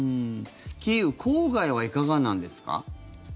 キーウ郊外はいかがなんですか？